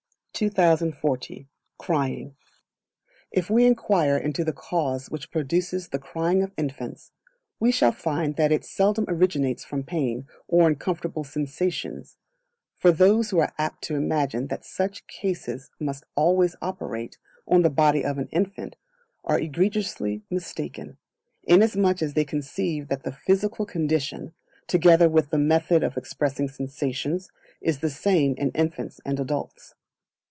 2040. Crying. If we Inquire into the Cause which produces the crying of infants, we shall find that it seldom originates from pain, or uncomfortable sensations, for those who are apt to imagine that such causes must always operate on the body of an infant, are egregiously mistaken; inasmuch as they conceive that the physical condition, together with the method of expressing sensations, is the same in infants and adults.